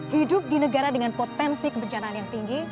hidup di negara dengan potensi kebencanaan yang tinggi